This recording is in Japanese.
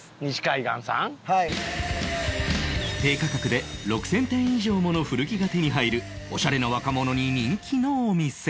低価格で６０００点以上もの古着が手に入るオシャレな若者に人気のお店